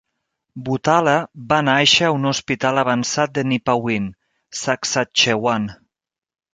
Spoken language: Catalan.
Butala va nàixer a un hospital avançat de Nipawin, Saskatchewan.